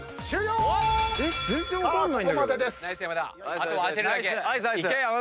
あとは当てるだけ。